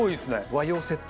和洋セット。